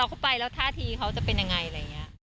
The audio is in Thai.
เราไปแล้วท่าทีเขาจะเป็นยังไง